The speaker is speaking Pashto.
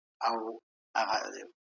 ایا خصوصي سکتور ټولنیزې مرستې کولي؟